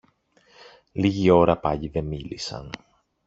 Λίγη ώρα πάλι δε μίλησαν.